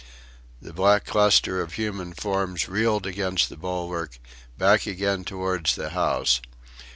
The black cluster of human forms reeled against the bulwark, back again towards the house.